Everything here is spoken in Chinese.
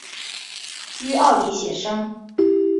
於澳底写生